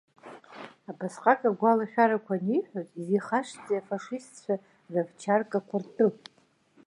Абасҟак агәалашәарақәа аниҳәоз, изихашҭзеи афашистцәа равчаркақәа ртәы?